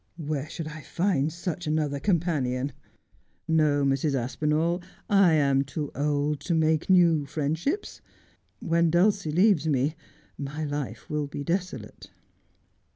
Where should I find such another companion? No, Mrs. A Friendly Dinner 77 Aspinall, I am too old to make new friendships. When Dulcie leaves me my life will be desolate.'